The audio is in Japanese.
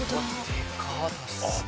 でかっ！